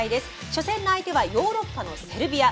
初戦の相手はヨーロッパのセルビア。